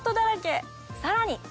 さらに！